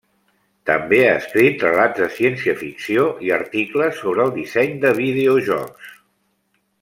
També ha escrit relats de ciència-ficció i articles sobre el disseny de videojocs.